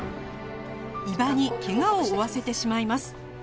伊庭に怪我を負わせてしまいます